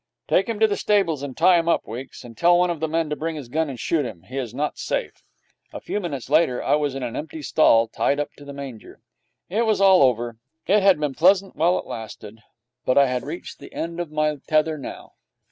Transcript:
'Take him to the stables and tie him up, Weeks, and tell one of the men to bring his gun and shoot him. He is not safe.' A few minutes later I was in an empty stall, tied up to the manger. It was all over. It had been pleasant while it lasted, but I had reached the end of my tether now.